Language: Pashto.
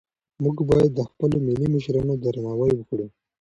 موږ باید د خپلو ملي مشرانو درناوی وکړو.